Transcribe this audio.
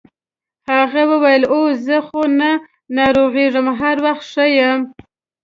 هغه وویل اوه زه خو نه ناروغیږم هر وخت ښه یم.